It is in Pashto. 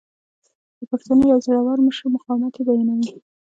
د پښتنو یو زړه ور مشر مقاومت یې بیانوي.